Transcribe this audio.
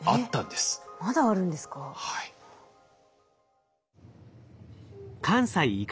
まだあるんですか？